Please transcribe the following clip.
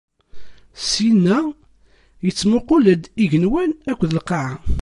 Syinna, ittmuqul-d igenwan akked lqaɛa.